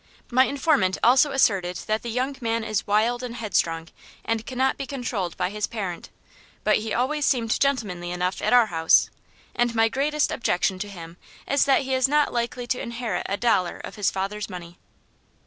My informant also asserted that the young man is wild and headstrong and cannot be controlled by his parent; but he always seemed gentlemanly enough at our house, and my greatest objection to him is that he is not likely to inherit a dollar of his father's money.